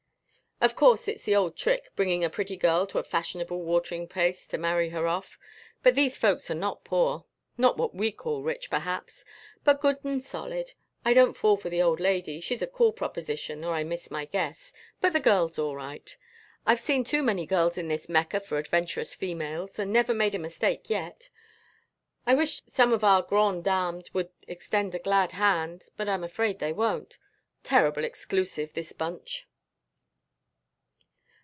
Of course it's the old trick, bringing a pretty girl to a fashionable watering place to marry her off, but these folks are not poor. Not what we'd call rich, perhaps, but good and solid. I don't fall for the old lady; she's a cool proposition or I miss my guess, but the girl's all right. I've seen too many girls in this Mecca for adventurous females and never made a mistake yet. I wish some of our grand dames would extend the glad hand. But I'm afraid they won't. Terrible exclusive, this bunch."